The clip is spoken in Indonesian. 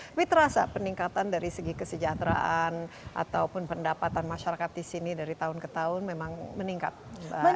tapi terasa peningkatan dari segi kesejahteraan ataupun pendapatan masyarakat di sini dari tahun ke tahun memang meningkat mbak